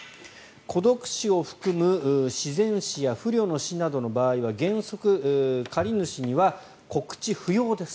孤独死を含む自然死や不慮の死などの場合は原則、借り主に告知不要です。